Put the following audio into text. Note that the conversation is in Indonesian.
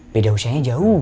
lidah usianya jauh